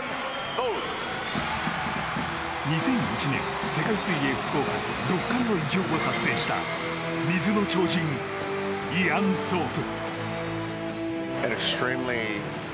２００１年、世界水泳福岡で６冠の偉業を達成した水の超人、イアン・ソープ。